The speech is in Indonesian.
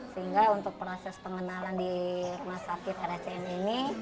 sehingga untuk proses pengenalan di rumah sakit rscm ini